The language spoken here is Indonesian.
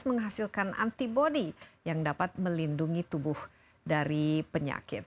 menghasilkan antibody yang dapat melindungi tubuh dari penyakit